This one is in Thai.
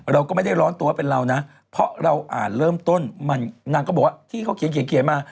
เราก็ไม่ได้ร้อนตัวเป็นเรานะเพราะเราอ่านเริ่มต้นมันนางก็บอกว่าที่เขาเขียนมา